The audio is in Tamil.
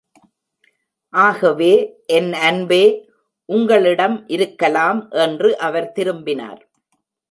"ஆகவே, என் அன்பே, உங்களிடம் இருக்கலாம்" என்று அவர் திரும்பினார்.